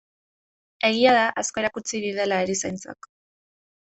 Egia da asko erakutsi didala erizaintzak.